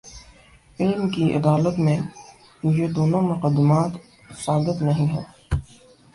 علم کی عدالت میں، یہ دونوں مقدمات ثابت نہیں ہیں۔